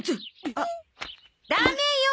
あっダメよ！